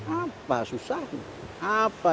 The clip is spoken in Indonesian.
apa susahnya apa